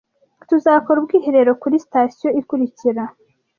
Tuzakora ubwiherero kuri sitasiyo ikurikira.